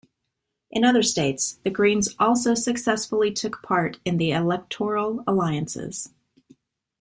In other states, the Greens also successfully took part in the electoral alliances.